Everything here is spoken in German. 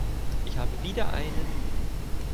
Ich habe wieder einen!